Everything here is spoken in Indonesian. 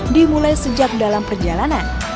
dimulai sejak dalam perjalanan